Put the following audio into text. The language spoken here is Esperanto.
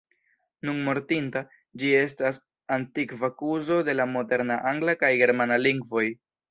Nun mortinta, ĝi estas antikva kuzo de la moderna angla kaj germana lingvoj.